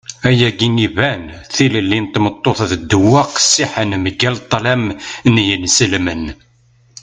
ayagi iban. tilelli n tmeṭṭut d ddwa qqessiḥen mgal ṭṭlam n yinselmen